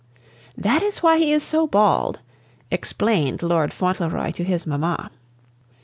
"That is why he is so bald," explained Lord Fauntleroy to his mamma.